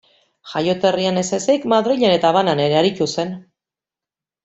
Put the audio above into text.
Jaioterrian ez ezik, Madrilen eta Habanan ere aritu zen.